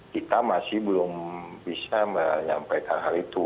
kita masih belum bisa menyampaikan hal itu